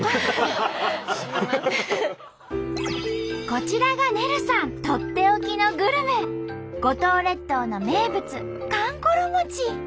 こちらがねるさんとっておきのグルメ五島列島の名物